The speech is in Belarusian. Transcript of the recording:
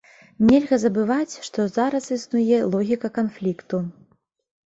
Нельга забываць, што зараз існуе логіка канфлікту.